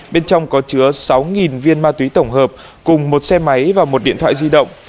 bên trong có chứa sáu viên ma túy tổng hợp cùng một xe máy và một điện thoại di động